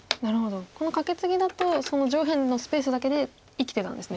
このカケツギだとその上辺のスペースだけで生きてたんですね。